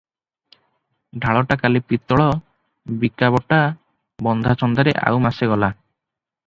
ଢାଳଟା କାଲି ପିତ୍ତଳଟା ବିକାବଟା ବନ୍ଧାଛନ୍ଦାରେ ଆଉ ମାସେ ଗଲା ।